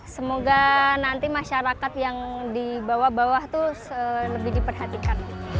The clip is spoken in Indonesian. semoga nanti masyarakat yang dibawa bawa itu lebih diperhatikan